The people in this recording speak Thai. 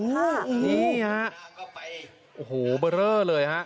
นี่ฮะโอ้โหเบอร์เรอเลยฮะ